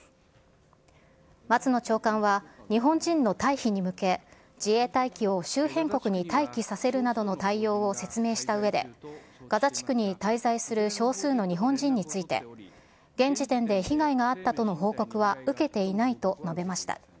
松野長官は、日本人の退避に向け、自衛隊機を周辺国に待機させるなどの対応を説明したうえで、ガザ地区に滞在する少数の日本人について、現時点で被害があったとの報告は受けていないと述べました。